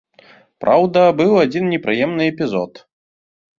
Праўда, быў адзін непрыемны эпізод.